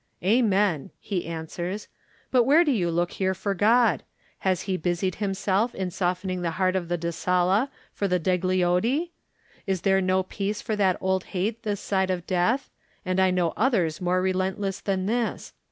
"Amen/* he answers, "but where do you look here for God? Has He busied Himself in softening the heart of the Da Sala for the Degli Oddi? There is no peace for that old hate this side of death, and I know others more relentless than this.